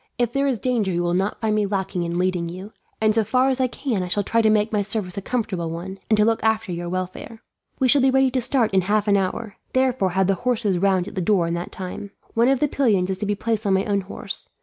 If there is danger you will not find me lacking in leading you, and so far as I can I shall try to make my service a comfortable one, and to look after your welfare. "We shall be ready to start in half an hour, therefore have the horses round at the door in that time. One of the pillions is to be placed on my own horse.